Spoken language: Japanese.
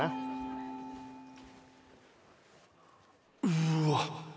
うわ。